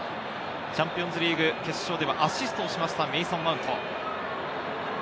チャンピオンズリーグ決勝ではアシストをしました、メイソン・マウント。